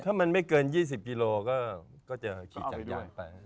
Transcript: ถ้ามันไม่เกิน๒๐กิโลก็จะขี่จักรยานไป